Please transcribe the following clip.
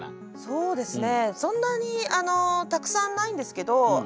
そうですね。